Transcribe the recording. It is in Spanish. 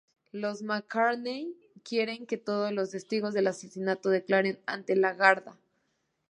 Los McCartney quieren que todos los testigos del asesinato declaren ante la Garda.